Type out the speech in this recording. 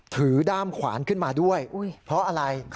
ด้ามขวานขึ้นมาด้วยเพราะอะไร